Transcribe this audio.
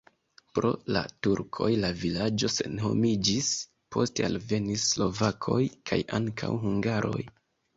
Pro la turkoj la vilaĝo senhomiĝis, poste alvenis slovakoj kaj ankaŭ hungaroj.